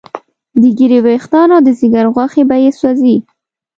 د ږیرې ویښتان او د ځیګر غوښې به یې سوځي.